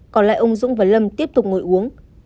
còn lại ông dũng và lâm tiếp tục ngồi uống